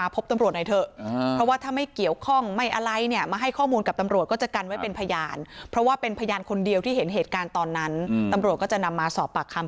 เพราะฉะนั้นตรวจก็จะนำมาสอบปากคำ